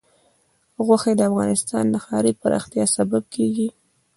غوښې د افغانستان د ښاري پراختیا سبب کېږي.